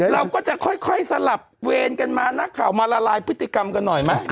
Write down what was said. เราก็จะค่อยสลับเวรกันมานักข่าวมาละลายพฤติกรรมกันหน่อยไหม